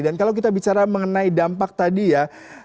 dan kalau kita bicara mengenai dampak tadi ya